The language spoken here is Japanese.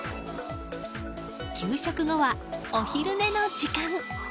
給食後は、お昼寝の時間。